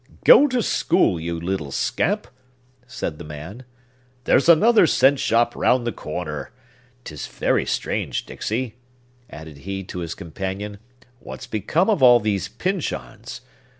"Go to school, you little scamp!" said the man. "There's another cent shop round the corner. 'Tis very strange, Dixey," added he to his companion, "what's become of all these Pyncheon's!